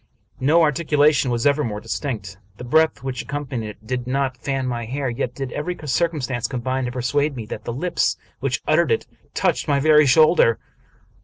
No articulation was ever more distinct. The breath which accompanied it did not fan my hair, yet did every circumstance combine to persuade me that the lips which uttered it touched my very shoulder.